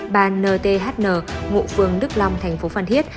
bà nthn ngụ phường đức long thành phố phan thiết